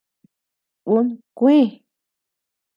Un kúë.